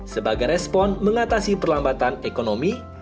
sebagai respon mengatasi perlambatan ekonomi